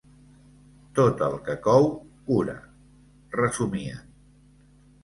Tot el que cou, cura —resumien.